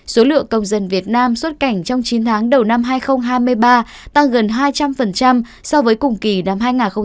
số lượng công dân việt nam xuất cảnh trong chín tháng đầu năm hai nghìn hai mươi ba tăng gần hai trăm linh so với cùng kỳ năm hai nghìn hai mươi hai